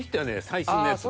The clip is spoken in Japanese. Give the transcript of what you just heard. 最新のやつで。